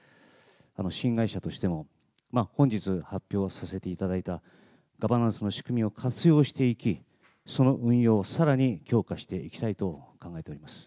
新会社としても本日発表させていただいたガバナンスの仕組みを活用していき、その運用をさらに強化していきたいと考えております。